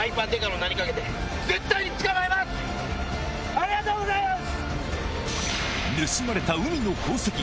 ありがとうございます！